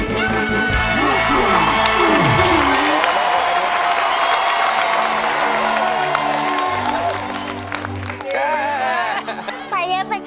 ไปเยอะไปขึ้นขายมาก